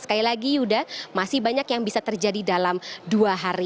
sekali lagi yuda masih banyak yang bisa terjadi dalam dua hari